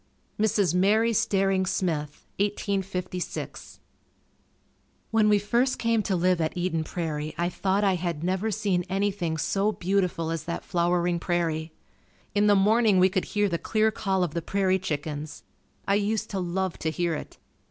Mrs. Mary Staring Smith 1856. When we first came to live at Eden Prairie I thought I had never seen anything so beautiful as that flowering prairie. In the morning we could hear the clear call of the prairie chickens. I used to love to hear it.